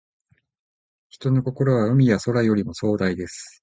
人の心は、海や空よりも壮大です。